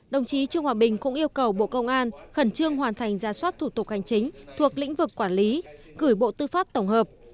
đồng chí trương hòa bình cũng yêu cầu bộ công an khẩn trương hoàn thành ra soát thủ tục hành chính thuộc lĩnh vực quản lý gửi bộ tư pháp tổng hợp